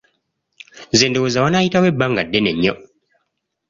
Nze ndowooza wanaayitawo ebbanga ddene nnyo.